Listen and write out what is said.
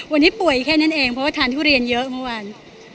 วันนี้ป่วยแค่นั้นเองเพราะว่าทานทุเรียนเยอะเมื่อวาน